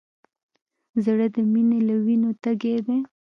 زړه د مینې له وینو تږی دی.